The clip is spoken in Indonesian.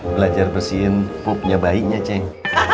belajar bersihin pupnya bayinya ceng